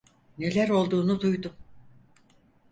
Neler olduğunu duydum.